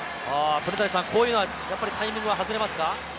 こういうのはタイミングが外れますか？